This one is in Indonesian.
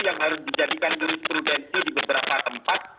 yang harus dijadikan berimprudensi di beberapa tempat